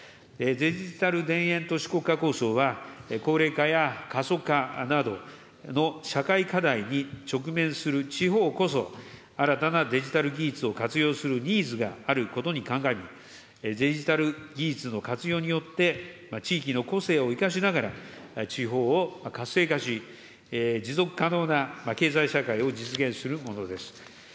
デジタル田園都市国家構想は、高齢化や過疎化などの社会課題に直面する地方こそ、新たなデジタル技術を活用するニーズがあることに鑑み、デジタル技術の活用によって、地域の個性を生かしながら地方を活性化し、持続可能な経済社会を実現するものです。